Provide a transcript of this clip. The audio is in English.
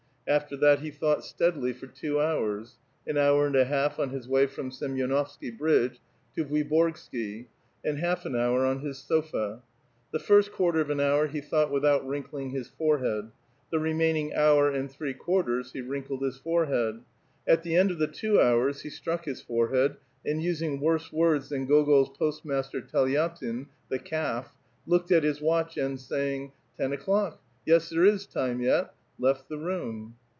After that he thought steadily for two hours, — an hour and a half on his way from Scmvonovskv bridjje to Vuiborgskv, and half an hour on his sofa. The first quarter of an hour he thought without wrink ling his forehead ; the remaining hour and three quarters he wi inkle<l his forehead ; at the end of the two hours he struck his forehead, and using worse words than Gogol's postmas ter Telyatin (the calf) , looked at his watch, and saying, " Ten o'chK'k, yes, there is time vet" left the room.